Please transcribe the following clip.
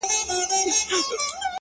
ه بيا دي په سرو سترگو کي زما ياري ده;